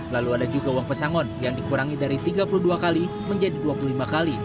lalu ada juga uang pesangon yang dikurangi dari tiga puluh dua kali menjadi dua puluh lima kali